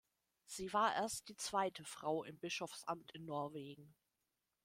Sie war erst die zweite Frau im Bischofsamt in Norwegen.